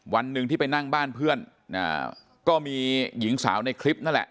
วันหนึ่งที่ไปนั่งบ้านเพื่อนก็มีหญิงสาวในคลิปนั่นแหละ